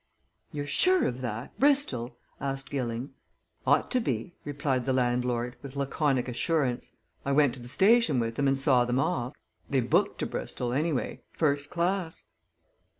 "You're sure of that? Bristol?" asked Gilling. "Ought to be," replied the landlord, with laconic assurance. "I went to the station with them and saw them off. They booked to Bristol anyway first class."